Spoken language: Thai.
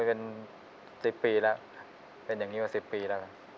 เป็น๑๐ปีแล้วเป็นอย่างนี้มา๑๐ปีแล้วครับ